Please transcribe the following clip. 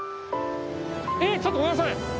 えっちょっとごめんなさい。